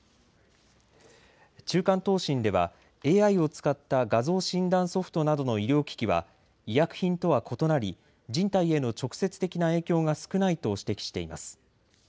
中間答申ではＡＩを使った画像診断ソフトなどの医療機器は医薬品とは異なり人体への直接的な影響が少ないと指摘しています。